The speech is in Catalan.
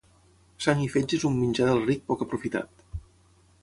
Sang i fetge és un menjar del ric poc aprofitat.